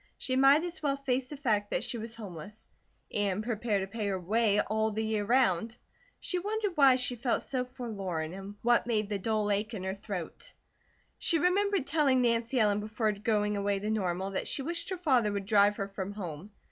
She might as well face the fact that she was homeless; and prepare to pay her way all the year round. She wondered why she felt so forlorn and what made the dull ache in her throat. She remembered telling Nancy Ellen before going away to Normal that she wished her father would drive her from home.